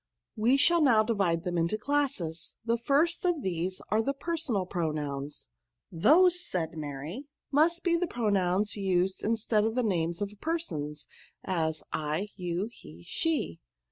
We shall now divide them into classes. The first of these are the personal pronouns." Those," said Mary, " must be the pro nouns used instead of the names of persons ; as, I, you, he, she."